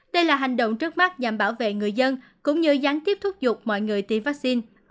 đây là hành động trước mắt nhằm bảo vệ người dân cũng như gián tiếp thúc giục mọi người tiêm vaccine